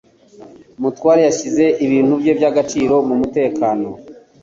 Mutwale yashyize ibintu bye by'agaciro mu mutekano.